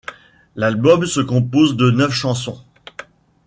L'album se compose de neuf chansons.